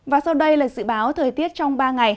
và sau đây là dự báo thời tiết trong ba ngày